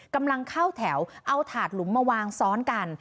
กำลังเข้าแถวเอาถาดหลุมมาวางซ้อนกัน